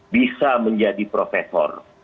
bisa menjadi profesor